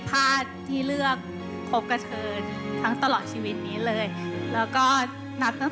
แต่บอกว่าในงานมีเรื่องคำคัญด้วย